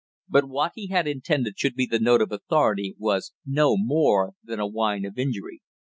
But what he had intended should be the note of authority was no more than a whine of injury.